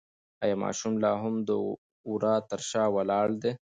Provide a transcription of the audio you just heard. ایا ماشوم لا هم د وره تر شا ولاړ دی؟